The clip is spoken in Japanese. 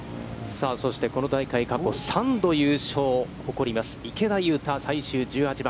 そして、この大会過去３度優勝を誇ります池田勇太、最終１８番。